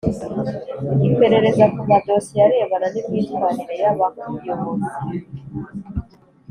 Iperereza ku madosiye arebana n imyitwarire y Abayobozi